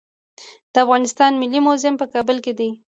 د افغانستان ملي موزیم په کابل کې دی